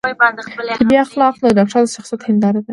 طبي اخلاق د ډاکتر د شخصیت هنداره ده.